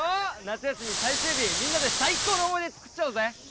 夏休み最終日みんなで最高の思い出作っちゃおうぜ！